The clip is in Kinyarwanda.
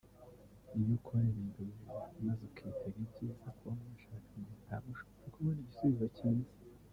iyo ukora ibintu bibi maze ukitega ibyiza k’uwo mwashakanye ntabwo ushobora kubona igisubizo cyiza